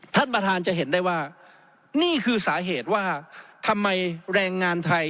ท่านประธานจะเห็นได้ว่านี่คือสาเหตุว่าทำไมแรงงานไทย